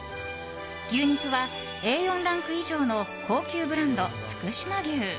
牛肉はＡ４ランク以上の高級ブランド福島牛。